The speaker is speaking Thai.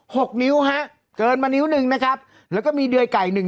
หกนิ้วฮะเกินมานิ้วหนึ่งนะครับแล้วก็มีเดือยไก่หนึ่ง